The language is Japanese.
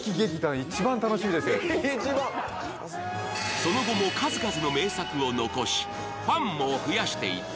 その後も数々の名作を残しファンも増やしていった